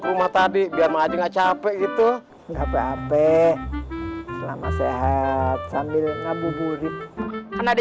sama tadi biar maju nggak capek gitu enggak pape selama sehat sambil nabuburin kan ada